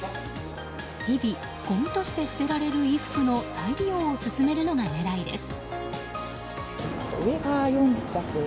日々、ごみとして捨てられる衣服の再利用を進めるのが狙いです。